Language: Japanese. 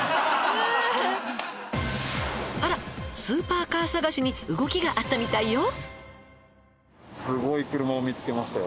「あらスーパーカー探しに動きがあったみたいよ」